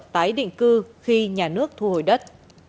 tái định cư khi nhà nước thu hồi đất